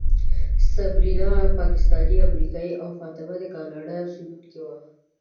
صبرینا پاکستانۍ امریکایۍ او فاطمه د کاناډا اوسېدونکې وه.